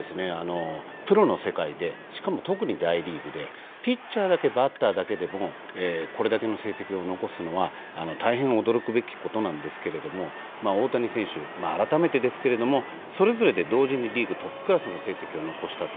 プロの世界で、しかも特に大リーグで、ピッチャーだけ、バッターだけでも、これだけの成績を残すのは大変驚くべきことなんですけれども、大谷選手、改めてですけれども、それぞれで同時にリーグトップクラスの成績を残したと。